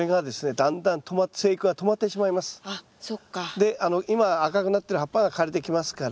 で今赤くなってる葉っぱが枯れてきますから。